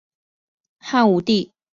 汉武帝元鼎六年开西南夷而置。